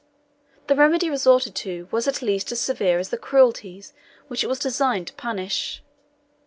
The remedy resorted to was at least as severe as the cruelties which it was designed to punish.